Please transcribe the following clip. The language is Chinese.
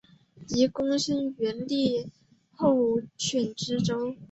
由贡生援例候选知州。